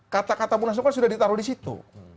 kata kata punasnya sudah ditaruh di situ